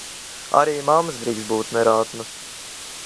Arī mammas drīkst būt nerātnas!